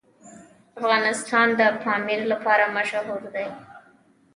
افغانستان د پامیر لپاره مشهور دی.